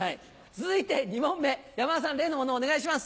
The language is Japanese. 続いて２問目山田さん例のものをお願いします。